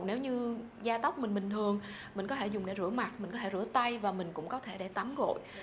nếu như da tóc mình bình thường mình có thể dùng để rửa mặt mình có thể rửa tay và mình cũng có thể để tắm gội